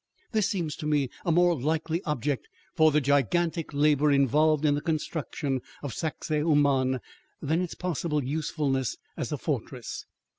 This seems to me a more likely object for the gigantic labor involved in the construction of Sacsahuaman than its possible usefulness as a fortress.